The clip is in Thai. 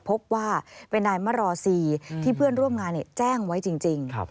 พบว่าเป็นนายมรอซีที่เพื่อนร่วมงานแจ้งไว้จริง